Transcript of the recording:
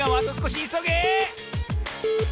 いそげ！